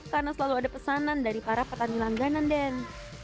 karena selalu ada pesanan dari para petani langganan den